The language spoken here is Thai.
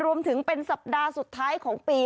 รวมถึงเป็นสัปดาห์สุดท้ายของปี